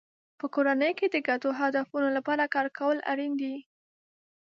په کورنۍ کې د ګډو هدفونو لپاره کار کول اړین دی.